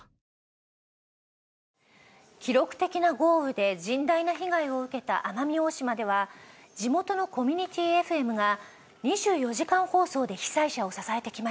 記録的な豪雨で甚大な被害を受けた奄美大島では地元のコミュニティＦＭが２４時間放送で被災者を支えてきました。